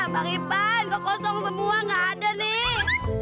bang ipan kok kosong semua nggak ada nih